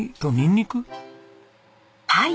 はい。